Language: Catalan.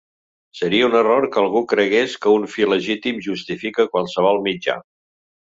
Seria un error que algú cregués que un fi legítim justifica qualsevol mitjà.